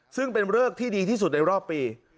ซึ่งเป็นเริกที่ดีที่สุดในรอบปี